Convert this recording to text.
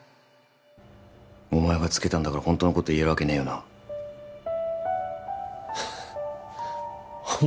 お前がつけたんだからホントのこと言えるわけねえよなお前